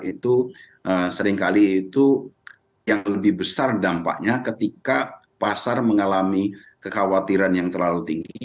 itu seringkali itu yang lebih besar dampaknya ketika pasar mengalami kekhawatiran yang terlalu tinggi